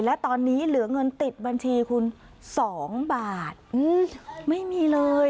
และตอนนี้เหลือเงินติดบัญชีคุณสองบาทไม่มีเลย